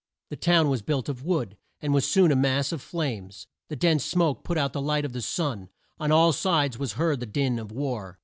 The town was built of wood, and was soon a mass of flames. The dense smoke put out the light of the sun On all sides was heard the din of war.